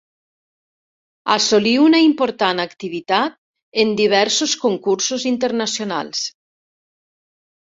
Assolí una important activitat en diversos concursos internacionals.